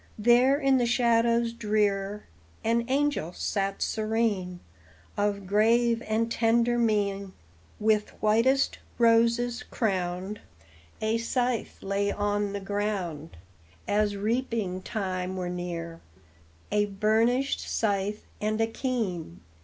There in the shadows drear An angel sat serene, Of grave and tender mien, With whitest roses crowned; A scythe lay on the ground, As reaping time were near, A burnished scythe and a keen.